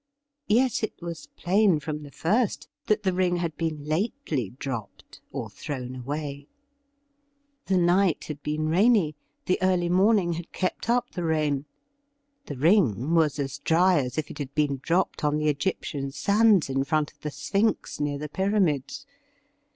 Yet it was plain from the first that the ring had been lately dropped or thrown away. The night had been rainy, the early morning had kept up the rain. The ring was as dry as if it had been dropped on the Egyptian sands in front of the Sphinx, near the Pyramids.